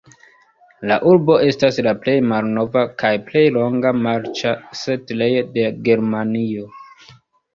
La urbo estas la plej malnova kaj plej longa marĉa setlejo de Germanio.